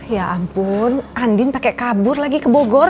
ya ampun andin kabur lagi ke bogor